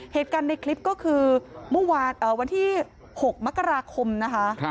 เหตุการณ์ในคลิปก็คือวันที่๐๖มกราคมนะคะ